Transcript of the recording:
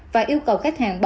và yêu cầu khách hàng tìm hiểu